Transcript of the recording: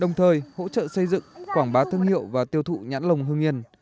đồng thời hỗ trợ xây dựng quảng bá thương hiệu và tiêu thụ nhãn lồng hương yên